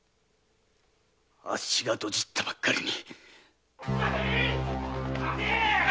あっしがドジったばっかりに。